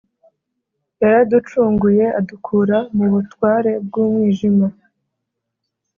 yaraducunguye adukura mu butware bw’umwijima